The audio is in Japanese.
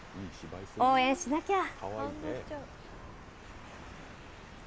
応援しなきゃ。